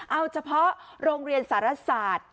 เอาเฉพาะโรงเรียนสารศาสตร์